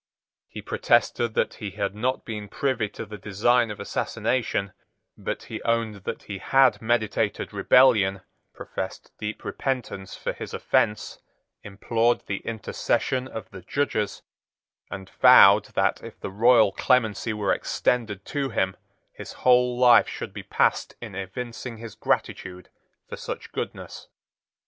He protested that he had not been privy to the design of assassination; but he owned that he had meditated rebellion, professed deep repentance for his offence, implored the intercession of the Judges, and vowed that, if the royal clemency were extended to him, his whole life should be passed in evincing his gratitude for such goodness.